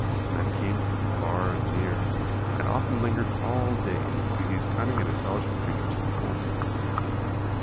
Men came from far and near and often lingered all day to see these cunning and intelligent creatures perform.